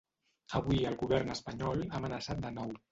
Avui el govern espanyol ha amenaçat de nou.